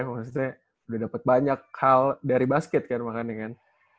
maksudnya udah dapat banyak hal dari basket kan bahkan dengan